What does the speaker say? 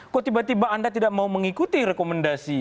kok tiba tiba anda tidak mau mengikuti rekomendasi